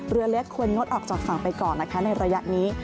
เรือเล็กควรงดออกจากฝั่งไปก่อนนะคะในระยะนี้